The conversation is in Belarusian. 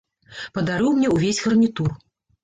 Падарыў мне ўвесь гарнітур.